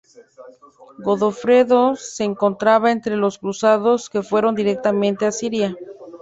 Godofredo se encontraba entre los cruzados que fueron directamente a Siria.